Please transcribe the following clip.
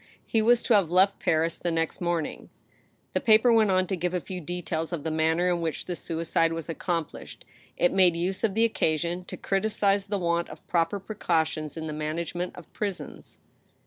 He was to have left Paris the next morning —" The paper went on to give a few details of the manner in which the suicide was accomplished. It made use of the occasion to criticise the want of proper precautions in the management of prisons.